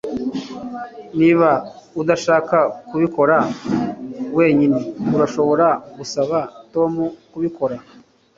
Niba udashaka kubikora wenyine urashobora gusaba Tom kubikora